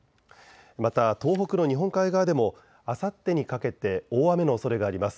また東北の日本海側でもあさってにかけて大雨のおそれがあります。